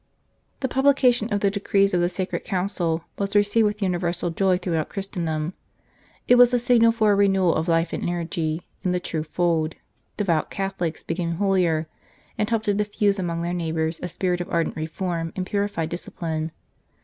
The publication of the decrees of the Sacred Council was received with universal joy throughout Christendom. It was the signal for a renewal of life and energy in the true Fold ; devout Catholics 28 The Council of Trent became holier, and helped to diffuse among their neighbours a spirit of ardent reform and purified discipline.